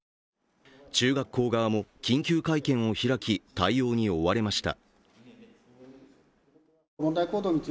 中学校側も緊急会見を開き対応に追われました。